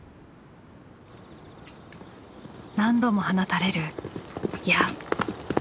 何度も放たれる矢。